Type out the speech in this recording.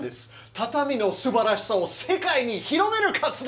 畳のすばらしさを世界に広める活動をしてます。